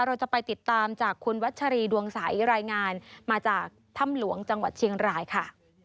เราจะไปติดตามจากคุณวัชรีดวงใสรายงานมาจากถ้ำหลวงจังหวัดเชียงรายค่ะ